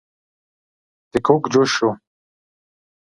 دی کوږ جوش شو.